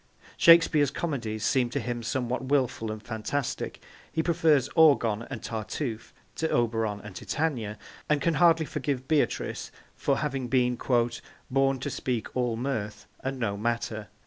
Shakespeare's comedies seem to him somewhat wilful and fantastic; he prefers Orgon and Tartuffe to Oberon and Titania, and can hardly forgive Beatrice for having been 'born to speak all mirth, and no matter.'